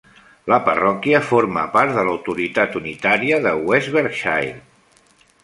La parròquia forma part de l'autoritat unitària de West Berkshire.